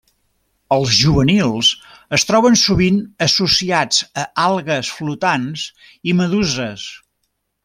Els juvenils es troben sovint associats a algues flotants i meduses.